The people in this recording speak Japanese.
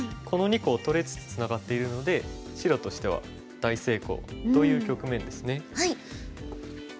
この２個を取れつつツナがっているので白としては大成功という局面ですね。